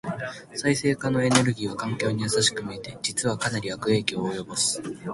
再生可能エネルギーは環境に優しく見えて、実はかなり悪影響を及ぼす。